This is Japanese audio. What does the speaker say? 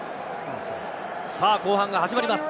後半が始まります。